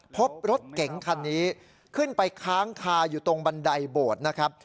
พบรถเก๋งคันนี้ขึ้นไปค้างคาอยู่ตรงบันไดโบสถ์นะครับ